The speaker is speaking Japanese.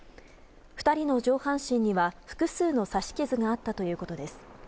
２人の上半身には複数の刺し傷があったということです。